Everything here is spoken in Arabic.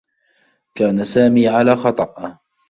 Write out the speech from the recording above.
كان سامي على خطأ.